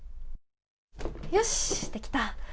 よし、できた。